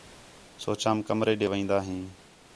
سوچام کمرے ݙے وین٘دا ہیں